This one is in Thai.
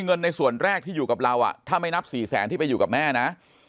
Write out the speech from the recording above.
เงินในส่วนแรกที่อยู่กับเราถ้าไม่นับ๔แสนที่ไปอยู่กับแม่นะ